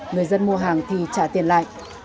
người dân mua hàng thì trả tiền lại